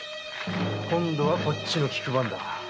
今度はこっちが聞く番だ。